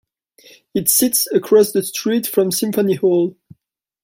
It sits across the street from Symphony Hall.